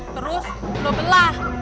terus lu belah